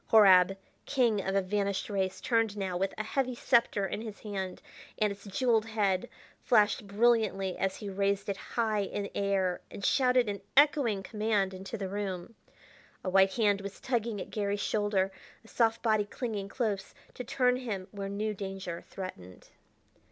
Horab, king of a vanished race, turned now with a heavy scepter in his hand; and its jeweled head flashed brilliantly as he raised it high in air and shouted an echoing command into the room. A white hand was tugging at Garry's shoulder, a soft body clinging close, to turn him where new danger threatened.